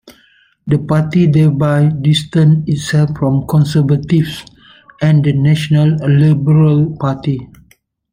The Party thereby distanced itself from Conservatives and the National Liberal Party.